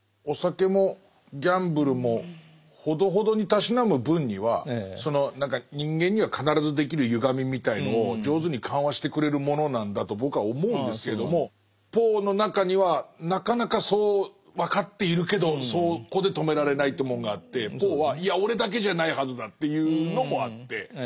お酒もギャンブルもほどほどにたしなむ分には何か人間には必ずできるゆがみみたいのを上手に緩和してくれるものなんだと僕は思うんですけどもポーの中にはなかなかそう分かっているけどそこで止められないってもんがあってポーはいや俺だけじゃないはずだっていうのもあって。